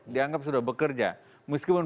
dianggap sudah bekerja meskipun